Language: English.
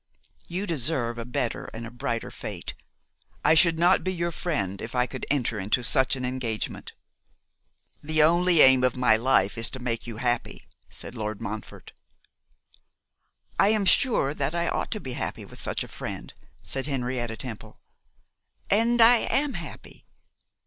'You deserve a better and a brighter fate. I should not be your friend if I could enter into such an engagement.' 'The only aim of my life is to make you happy,' said Lord Montfort. 'I am sure that I ought to be happy with such a friend,' said Henrietta Temple, 'and I am happy.